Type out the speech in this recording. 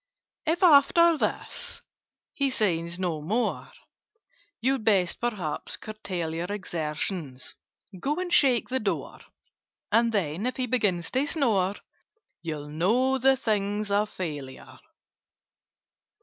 "If after this he says no more, You'd best perhaps curtail your Exertions—go and shake the door, And then, if he begins to snore, You'll know the thing's a failure.